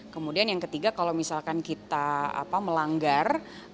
kemudian yang ketiga kalau misalkan kita melanggar